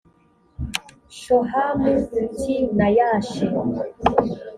shohamu t na yashe